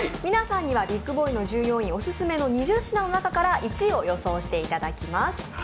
皆さんにはビッグボーイの従業員オススメの２０品の中から、１位を予想していただきます。